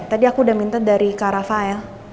tadi aku udah minta dari kak rafael